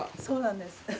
そうなんです。